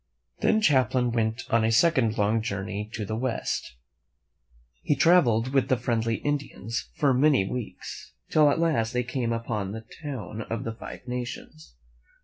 Then Champlain went on a second long journey to the west. He traveled with the friendly Indians for many weeks, till at last they came upon the town of the Five Nations.